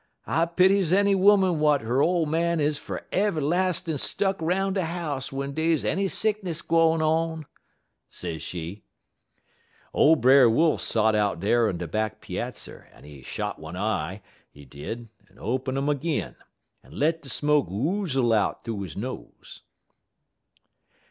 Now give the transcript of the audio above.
I pities any 'oman w'at 'er ole man is fer'verlastin' stuck 'roun' de house w'en dey's any sickness gwine on,' sez she. "Ole Brer Wolf sot out dar on de back peazzer, en he shot one eye, he did, en open um 'g'in, en let de smoke oozle out'n he nose.